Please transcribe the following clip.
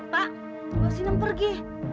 pak bawasinem pergi